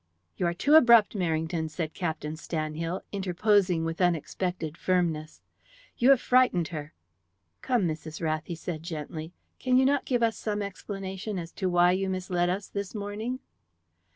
"You are too abrupt, Merrington," said Captain Stanhill, interposing with unexpected firmness. "You have frightened her. Come, Mrs. Rath," he said gently, "can you not give us some explanation as to why you misled us this morning?"